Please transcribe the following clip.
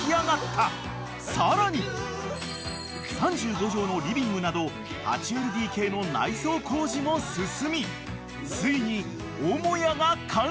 ［さらに３５畳のリビングなど８ＬＤＫの内装工事も進みついに母屋が完成］